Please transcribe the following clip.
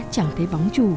chẳng thấy bóng trù